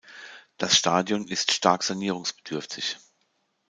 Das Stadion ist stark sanierungsbedürftig.